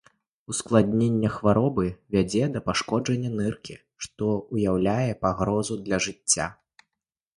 Ускладненне хваробы вядзе да пашкоджання ныркі, што ўяўляе пагрозу для жыцця.